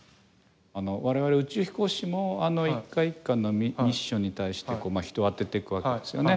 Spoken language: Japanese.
我々、宇宙飛行士も１回１回のミッションに対して人を充てていくわけですよね。